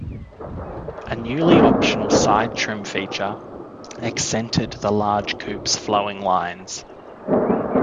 A newly optional side trim feature accented the large coupe's flowing lines.